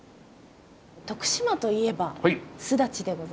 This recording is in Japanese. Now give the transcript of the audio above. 徳島といえばすだちでございます。